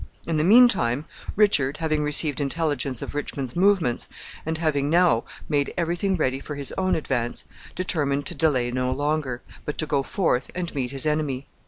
In the mean time, Richard, having received intelligence of Richmond's movements, and having now made every thing ready for his own advance, determined to delay no longer, but to go forth and meet his enemy.